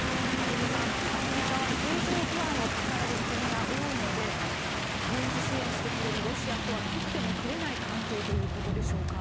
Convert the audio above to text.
畔蒜さん、アフリカは政情不安を抱える国が多いので軍事支援してくれるロシアとは切っても切れない関係ということでしょうか。